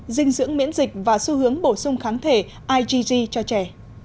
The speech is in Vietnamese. dinh dưỡng miễn dịch và xu hướng bổ sung kháng thể ig cho trẻ